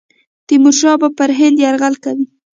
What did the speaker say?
تیمورشاه به پر هند یرغل کوي.